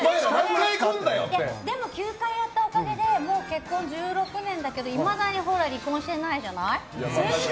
でも９回やったおかげで結婚１６年だけどいまだに離婚してないじゃない？